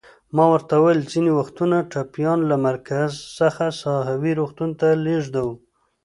ما ورته وویل: ځینې وختونه ټپیان له مرکز څخه ساحوي روغتون ته لېږدوو.